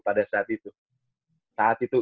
pada saat itu saat itu